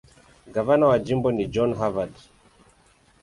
Gavana wa jimbo ni John Harvard.